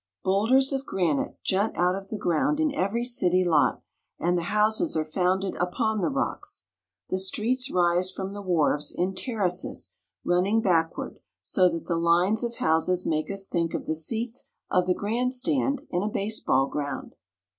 Bowlders of granite jut out of the ground in every city lot, and the houses are founded upon the rocks. The streets rise from the wharves in terraces running backward, so that the lines of houses make us think of the seats of the grand stand in a baseball ground.